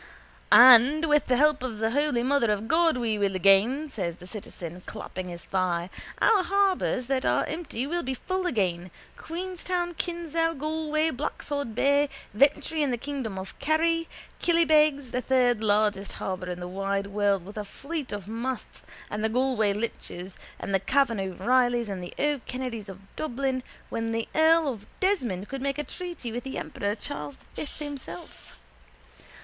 —And with the help of the holy mother of God we will again, says the citizen, clapping his thigh. Our harbours that are empty will be full again, Queenstown, Kinsale, Galway, Blacksod Bay, Ventry in the kingdom of Kerry, Killybegs, the third largest harbour in the wide world with a fleet of masts of the Galway Lynches and the Cavan O'Reillys and the O'Kennedys of Dublin when the earl of Desmond could make a treaty with the emperor Charles the Fifth himself.